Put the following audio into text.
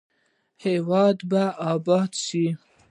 هیواد به اباد شي؟